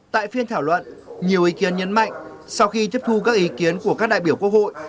tại phiên thảo luận nhiều ý kiến nhấn mạnh sau khi tiếp thu các ý kiến của các đại biểu quốc hội